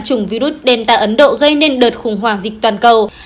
chủng virus delta ấn độ gây nên đợt khủng hoảng dịch toàn cầu